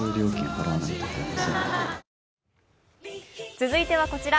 続いてはこちら。